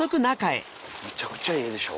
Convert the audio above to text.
めちゃくちゃいいでしょ？